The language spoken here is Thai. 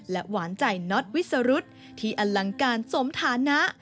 หวานใจน็อตวิสรุธที่อลังการสมฐานะ